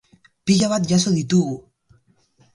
Pila bat jaso ditugu!